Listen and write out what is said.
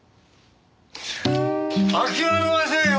諦めませんよ